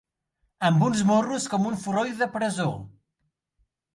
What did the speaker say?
Amb uns morros com un forroll de presó.